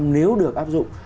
nếu được áp dụng